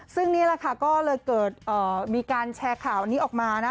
ซึ่งนี่แหละค่ะก็เลยเกิดมีการแชร์ข่าวนี้ออกมานะ